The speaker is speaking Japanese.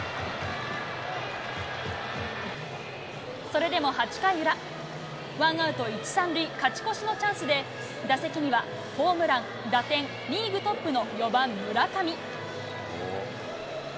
それでも８回裏、ワンアウト１、３塁、勝ち越しのチャンスで、打席にはホームラン、打点、リーグトップの４番村上。